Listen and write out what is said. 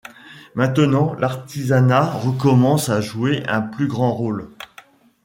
Maintenant l'artisanat recommence à jouer un plus grand rôle.